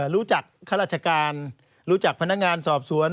รู้จักข้าราชการรู้จักพนักงานสอบสวน